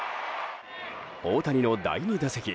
大谷の第２打席。